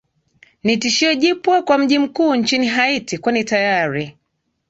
ni tisho jipwa kwa mji mkuu nchini haiti kwani tayari